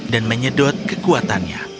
dan menyedot kekuatannya